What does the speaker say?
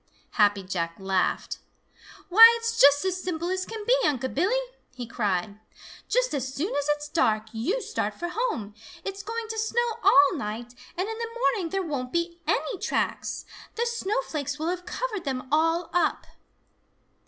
Happy Jack laughed. "Why, it's just as simple as can be, Unc' Billy!" he cried. "Just as soon as it's dark, you start for home. It's going to snow all night, and in the morning there won't be any tracks. The snowflakes will have covered them all up."